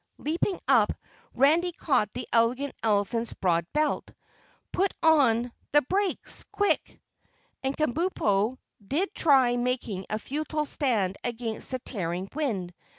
Leaping up, Randy caught the Elegant Elephant's broad belt. "Put on the brakes! Quick!" And Kabumpo did try making a futile stand against the tearing wind.